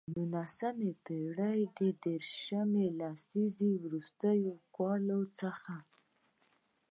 د نولسمې پېړۍ د دیرشمې لسیزې وروستیو کلونو څخه.